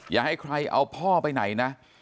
อย่าให้ใครเอาพ่อไปไหนนะ